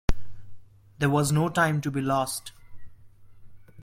There was no time to be lost.